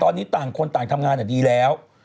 ตอนนี้ต่างคนต่างทำงานดีแล้ว